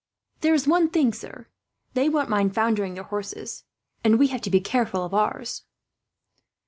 "There is one thing, sir. They won't mind foundering their horses, and we have to be careful of ours."